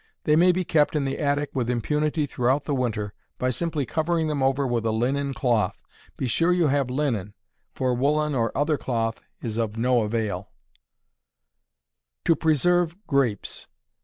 They may be kept in the attic with impunity throughout the winter, by simply covering them over with a linen cloth; be sure you have linen, for woolen or other cloth is of no avail. _To Preserve Grapes.